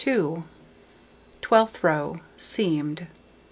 Twelfth row: Seamed.